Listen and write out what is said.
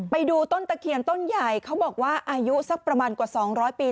ไปดูต้นตะเคียนต้นใหญ่เขาบอกว่าอายุสักประมาณกว่า๒๐๐ปี